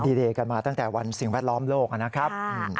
ดีเดย์กันมาตั้งแต่วันสิ่งแวดล้อมโลกนะครับ